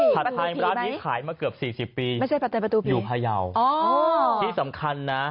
ผัดทัายขายมาเกือบ๔๐ปีอยู่พะเยาว์